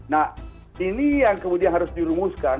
nah ini yang kemudian harus dirumuskan